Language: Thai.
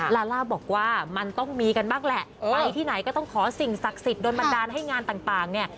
ลาล่าบอกว่ามันต้องมีกันบ้างแหละไปที่ไหนก็ต้องขอสิ่งศักดิ์สิทธิ์โดนบันดาลให้งานต่างเนี่ย